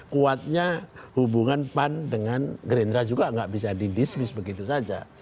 kuatnya hubungan pan dengan gerindra juga nggak bisa didismis begitu saja